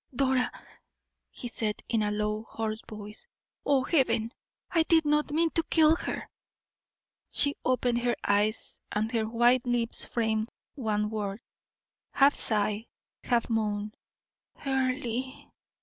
"Dora!" he said, in a low, hoarse voice. "Oh, Heaven! I did not mean to kill her."' She opened her eyes, and her white lips framed one word, half sigh, half moan "Earle!"